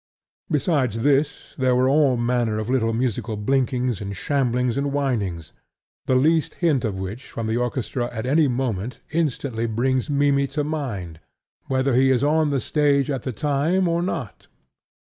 Besides this there are all manner of little musical blinkings and shamblings and whinings, the least hint of which from the orchestra at any moment instantly brings Mimmy to mind, whether he is on the stage at the time or not.